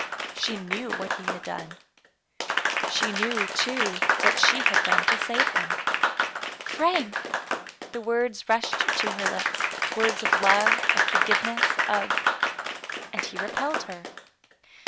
She knew what he had done. She knew, too, what she had done to save him. " Frank !*' the words rushed to her lips, words of love, of forgiveness, of and he re pelled her.